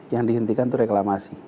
yang dihentikan itu reklamasi